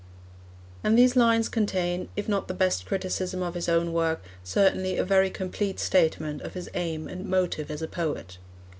And these lines contain, if not the best criticism of his own work, certainly a very complete statement of his aim and motive as a poet.